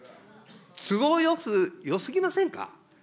都合よすぎませんか。